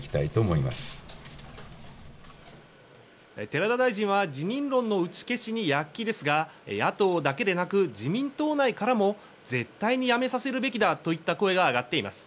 寺田大臣は辞任論の打ち消しに躍起ですが野党だけでなく自民党内からも絶対に辞めさせるべきだといった声が上がっています。